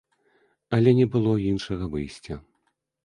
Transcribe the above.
Але не было іншага выйсця.